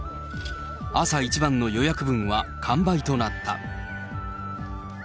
朝一番の予約分は完売となった。